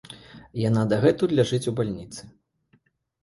Яна дагэтуль ляжыць у бальніцы.